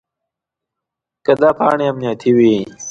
که دا پاڼې امنیتي وي.